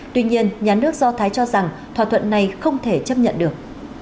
tuy nhiên nhà nước do thái cho rằng thỏa thuận này không thể chấp nhận được